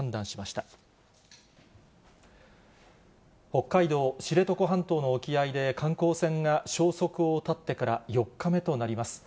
北海道知床半島の沖合で、観光船が消息を絶ってから４日目となります。